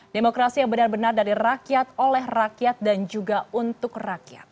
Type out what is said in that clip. demokrasi yang benar benar dari rakyat oleh rakyat dan juga untuk rakyat